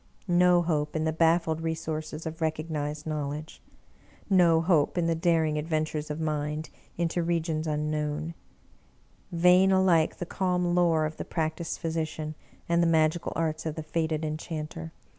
No hope in the baffled resources of recognized knowledge ! No hope in the daring adven tures of Mind into regions unknown; vain alike the calm lore of the practiced physician, and the magical arts of the fated Enchanter!